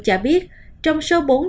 cho biết trong số ca tử vong